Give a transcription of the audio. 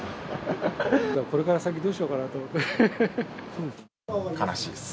これから先、どうしようかなと思悲しいです。